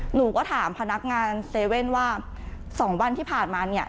หนูก็ถามพนักงานเซเว่นว่าสองวันที่ผ่านมาเนี่ย